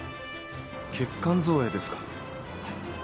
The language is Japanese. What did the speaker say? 血管造影ですか。